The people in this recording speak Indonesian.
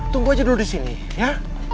tunggu aja dulu disini ya